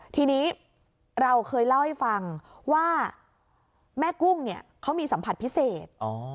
ทีนี้เราเคยเล่าให้ฟังว่าแม่กุ้งเนี่ยเขามีสัมผัสพิเศษ